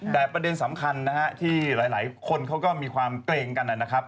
แต่ประเด็นสำคัญนะฮะที่หลายคนเขาก็มีความเกรงกันนะครับ